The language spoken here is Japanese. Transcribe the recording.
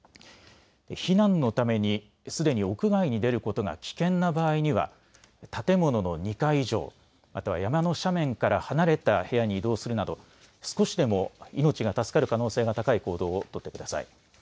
避難のためにすでに屋外に出ることが危険な場合には建物の２階以上、または山の斜面から離れた部屋に移動するなど少しでも命が助かる可能性が高い行動を取ってください。